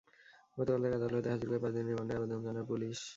গতকাল তাঁকে আদালতে হাজির করে পাঁচ দিন রিমান্ডের আবেদন জানায় পুলিশ।